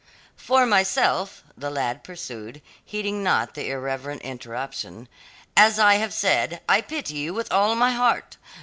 "For myself," the lad pursued, heeding not the irreverent interruption, "as I have said, I pity you with all my heart.